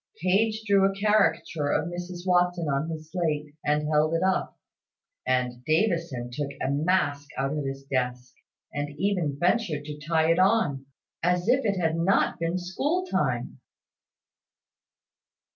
Page drew a caricature of Mrs Watson on his slate, and held it up; and Davison took a mask out of his desk, and even ventured to tie it on, as if it had not been school time.